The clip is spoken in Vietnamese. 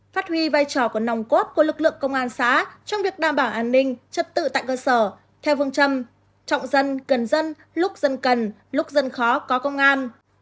phát huy vai trò của nòng cốt của lực lượng công an xã trong việc đảm bảo an ninh trật tự tại cơ sở theo phương châm trọng dân gần dân lúc dân cần lúc dân khó có công an